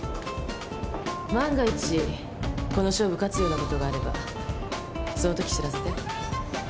万が一この勝負勝つようなことがあればそのとき知らせて。